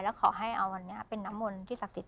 แล้วขอให้เอาอันนี้เป็นน้ำมนต์ที่ศักดิ์สิท